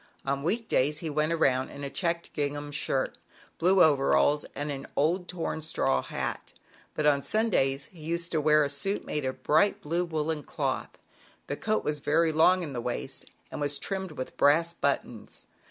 On week days he went around in a checked ging ham shirt, blue overalls and an old torn straw hat; but on Sundays he used to wear a suit made of bright blue woolen cloth. The coat was very long in the waist, and was trimmed with brass but tons.